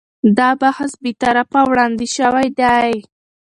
دا بحث بې طرفه وړاندې شوی دی.